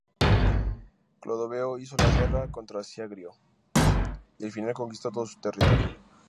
Clodoveo hizo la guerra contra Siagrio y al final conquistó todo su territorio.